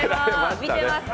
見てますか？